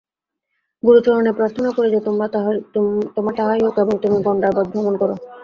গুরুচরণে প্রার্থানা করি যে তোমার তাহাই হউক এবং তুমি গণ্ডারবৎ ভ্রমণ কর।